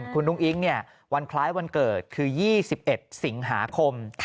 คุณอุ้งอิ๊งวันคล้ายวันเกิดคือ๒๑สิงหาคม